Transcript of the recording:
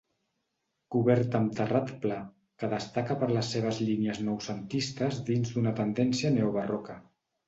Coberta amb terrat pla, que destaca per les seves línies noucentistes dins d'una tendència neobarroca.